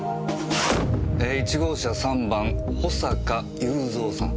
１号車３番保坂有三さん。